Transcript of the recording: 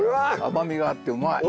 甘みがあってうまい！